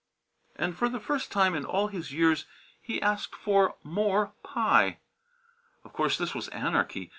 And for the first time in all his years he asked for more pie. Of course this was anarchy.